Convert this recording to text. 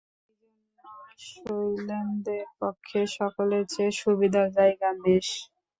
এইজন্য শৈলেন্দ্রের পক্ষে সকলের চেয়ে সুবিধার জায়গা মেস।